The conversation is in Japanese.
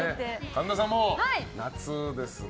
神田さんも夏ですね。